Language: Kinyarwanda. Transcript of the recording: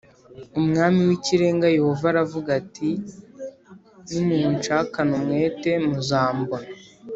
Umwami w’ Ikirenga Yehova aravuga ati nimunshakana umwete muzambona